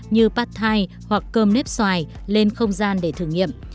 như pad thai hoặc cơm nếp xoài lên không gian để thử nghiệm